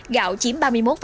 gạo chiếm ba mươi một năm